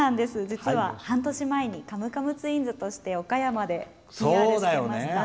実は、半年前にカムカムツインズとして岡山でＰＲしていました。